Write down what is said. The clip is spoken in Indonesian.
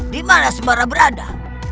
di mana sembara berada